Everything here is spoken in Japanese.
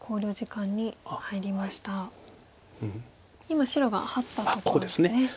今白がハッたところですね。